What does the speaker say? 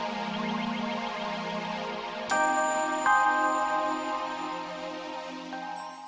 sini gua aja buat gua